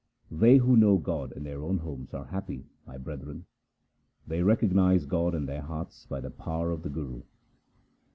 They who know God in their own homes are happy, my brethren ; They recognize God in their hearts by the power of the Guru.